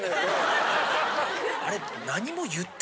あれ。